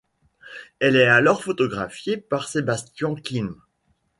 Elle est alors photographiée par Sebastian Kim.